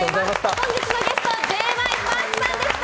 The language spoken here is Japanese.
本日のゲスト、Ｊ．Ｙ．Ｐａｒｋさんでした！